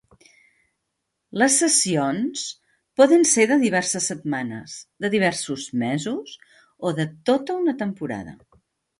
Les cessions poden ser de diverses setmanes, de diversos mesos o de tota una temporada.